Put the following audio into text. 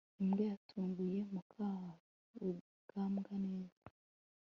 imbwa yatunguye mukarugambwa neza